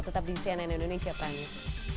tetap di cnn indonesia prime news